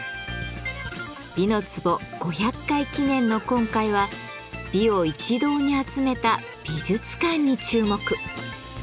「美の壺」５００回記念の今回は美を一堂に集めた美術館に注目。